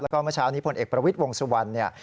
แล้วก็เมื่อเช้านี้พลเอกประวิทย์วงสุวรรณเนี่ย